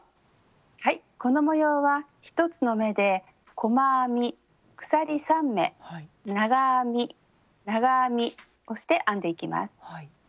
はいこの模様は１つの目で細編み鎖３目長編み長編みをして編んでいきます。